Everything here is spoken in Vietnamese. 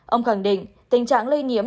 ông khẳng định tình trạng lây nhiễm